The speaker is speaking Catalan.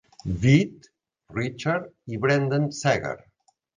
Witt, Richard i Brendan Segar.